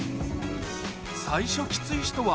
最初きつい人は